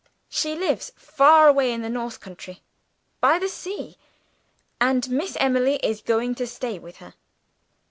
She lives far away in the north country, by the sea; and Miss Emily is going to stay with her."